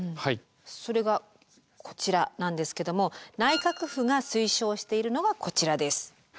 それがこちらなんですけども内閣府が推奨しているのはこちらです。